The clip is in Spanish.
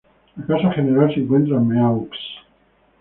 La casa general se encuentra en Meaux.